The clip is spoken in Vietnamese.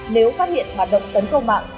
nếu phát hiện hoạt động tấn công mạng